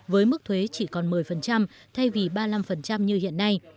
với mức thuế chỉ còn một mươi thay vì ba mươi năm như hiện nay